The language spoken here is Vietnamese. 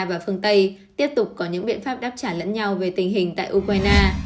và tổng thống tây tiếp tục có những biện pháp đáp trả lẫn nhau về tình hình tại ukraine